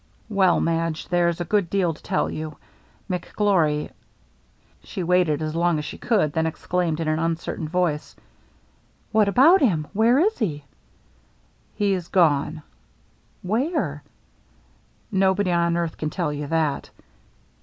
"Well, Madge, there's a good deal to tell you. McGlory —" She waited as long as she could, then ex claimed, in an uncertain voice :" What about him? Where is he?" " He's gone." "Where?" " Nobody on earth can tell you that."